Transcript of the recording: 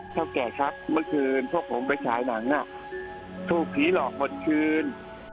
เท่าแก่ครับเมื่อคืนพวกผมไปฉายหนังถูกผีหลอกหมดคืน